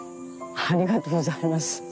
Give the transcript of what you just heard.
ありがとうございます。